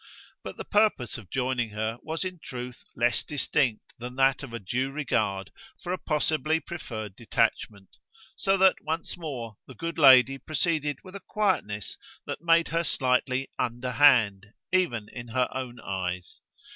But the purpose of joining her was in truth less distinct than that of a due regard for a possibly preferred detachment: so that, once more, the good lady proceeded with a quietness that made her slightly "underhand" even in her own eyes.